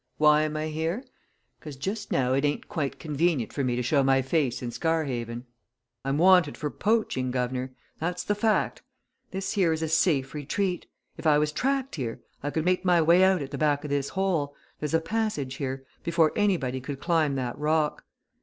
Why am I here! 'Cause just now it ain't quite convenient for me to show my face in Scarhaven. I'm wanted for poaching, guv'nor that's the fact! This here is a safe retreat. If I was tracked here, I could make my way out at the back of this hole there's a passage here before anybody could climb that rock.